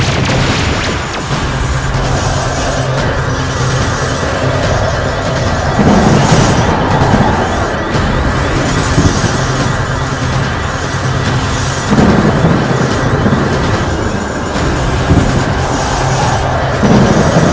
dendam dari kubur